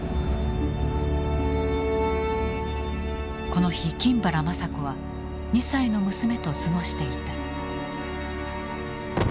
この日金原まさ子は２歳の娘と過ごしていた。